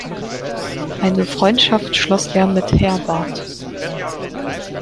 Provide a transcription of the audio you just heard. Eine Freundschaft schloss er mit Herbart.